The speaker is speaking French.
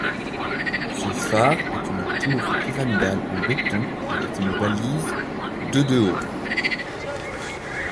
Ce phare est une tour pyramidale en béton avec une balise de de haut.